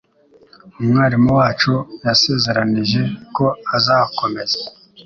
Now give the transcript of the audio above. Umwarimu wacu yasezeranije ko azakomeza